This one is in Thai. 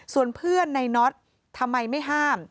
ส่วนเพื่อนในน็อตทำไมไม่ห้าม